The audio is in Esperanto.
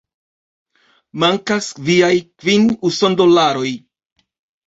Mankas viaj kvin usondolaroj